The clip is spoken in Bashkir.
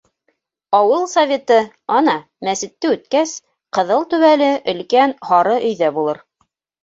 — Ауыл Советы, ана, мәсетте үткәс, ҡыҙыл түбәле өлкән һары өйҙә булыр.